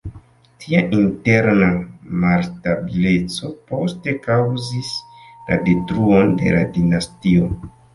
Tia interna malstabileco poste kaŭzis la detruon de la dinastio.